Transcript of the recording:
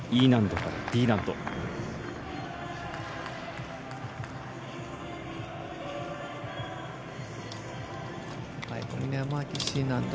Ｄ難度からＥ難度。